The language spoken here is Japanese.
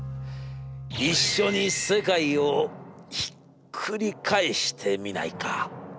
一緒に世界をひっくり返してみないか！』。